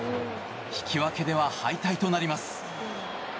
引き分けでは敗退となります。